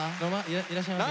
いらっしゃいませ。